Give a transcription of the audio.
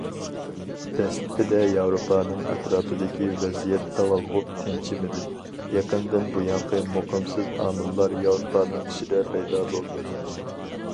دەسلىپىدە ياۋروپانىڭ ئەتراپىدىكى ۋەزىيەت داۋالغۇپ تىنچىمىدى، يېقىندىن بۇيانقى مۇقىمسىز ئامىللار ياۋروپانىڭ ئىچىدە پەيدا بولدى.